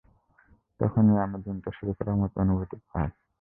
তখনই আমি দিনটা শুরু করার মতো অনুভূতি পাই।